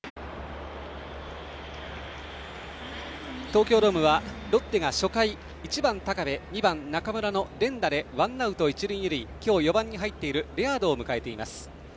東京ドームはロッテが初回１番、高部２番、中村の連打でワンアウト一塁二塁今日４番に入っているレアードを迎えています。